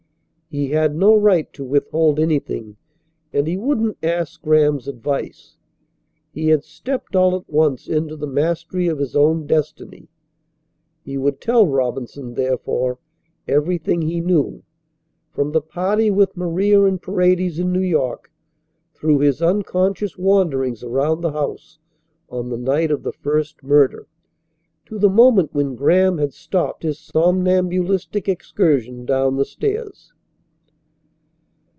He had no right to withhold anything, and he wouldn't ask Graham's advice. He had stepped all at once into the mastery of his own destiny. He would tell Robinson, therefore, everything he knew, from the party with Maria and Paredes in New York, through his unconscious wanderings around the house on the night of the first murder, to the moment when Graham had stopped his somnambulistic excursion down the stairs.